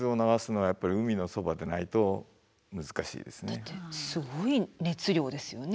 だってすごい熱量ですよね。